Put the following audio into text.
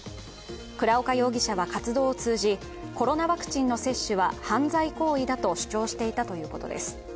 倉岡容疑者は、活動を通じコロナワクチンの接種は犯罪行為だと主張していたということです。